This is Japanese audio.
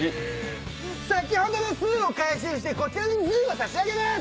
先ほどのスを回収してこちらにズを差し上げます。